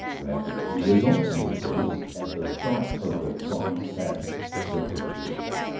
Rapidly his own anger rose at the thought of the crime Patten would have perpetrated.